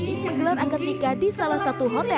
menggelar angkat nikah di salah satu hotel